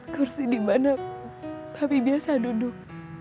kursi di mana api biasa duduk